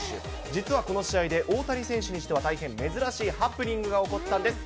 実はこの試合で、大谷選手にしては大変珍しいハプニングが起こったんです。